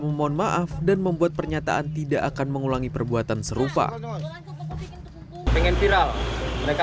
memohon maaf dan membuat pernyataan tidak akan mengulangi perbuatan serupa pengen viral mereka